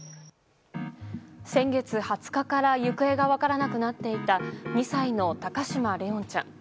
先月２０日から行方が分からなくなっていた２歳の高嶋怜音ちゃん。